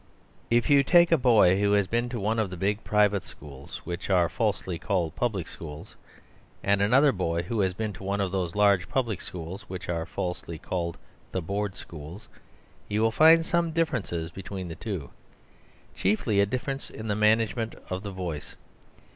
If you take a boy who has been to one of those big private schools which are falsely called the Public Schools, and another boy who has been to one of those large public schools which are falsely called the Board Schools, you will find some differences between the two, chiefly a difference in the management of the voice.